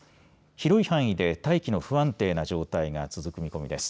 広い範囲で大気の不安定な状態が続く見込みです。